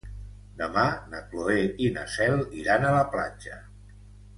Demà na Cloè i na Cel iran a la platja.